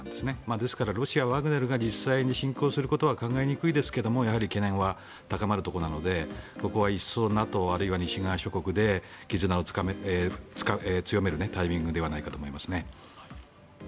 ですから、ロシアはワグネルが実際に侵攻することは考えにくいですがやはり懸念は高まるところなのでここは一層ＮＡＴＯあるいは西側諸国で絆を強めるタイミングではないかと思いますね。